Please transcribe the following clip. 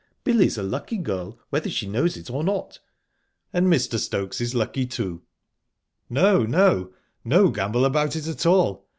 Billy's a lucky girl, whether she knows it or not." "And Mr. Stokes is lucky, too." "No, no no gamble about it at all.